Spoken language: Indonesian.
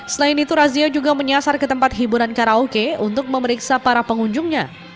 selain itu razia juga menyasar ke tempat hiburan karaoke untuk memeriksa para pengunjungnya